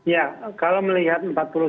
ya kalau melihat empat puluh satu